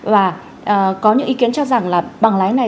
và có những ý kiến cho rằng là bằng lái này